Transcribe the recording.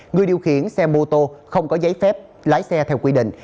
người điều khiển xe mô tô không có giấy phép lái xe theo quy định